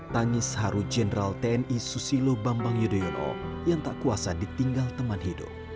tangis haru jenderal tni susilo bambang yudhoyono yang tak kuasa ditinggal teman hidup